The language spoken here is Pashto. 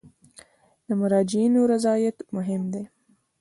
د مراجعینو رضایت مهم دی